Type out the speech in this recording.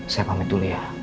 saya pamit dulu ya